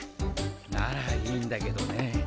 ならいいんだけどね。